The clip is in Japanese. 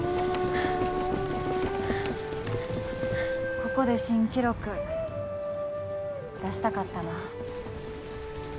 ここで新記録出したかったな。